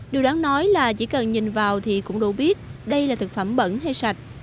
điều đáng nói là chỉ cần nhìn vào thì cũng đủ biết đây là thực phẩm bẩn hay sạch